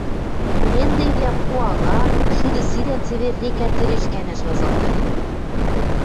Пленныйвлӓм уалаан, шуды сирӓн цевер река тӹреш кӓнӓш вазалтаревӹ.